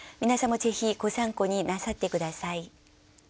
皆さんもぜひご参考になさって下さい。